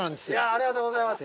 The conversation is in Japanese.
ありがとうございます。